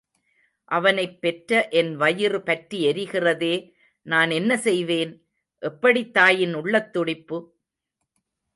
அவனைப் பெற்ற என் வயிறு பற்றி எரிகிறதே, நான் என்ன செய்வேன்? எப்படித் தாயின் உள்ளத்துடிப்பு?